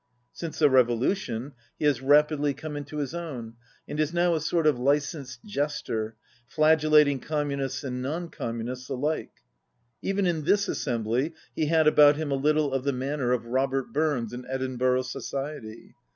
Since the revolution, he has rapidly come into his own, and is now a sort of licensed jester, flagellating Communists and non Com munists alike. Even in this assembly he had about him a little of the manner of Robert Burns in Edinburgh society.